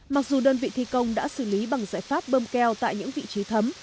mặc dù đơn vị thi công đã xử lý bằng giải pháp bơm keo tại những vị trí thấm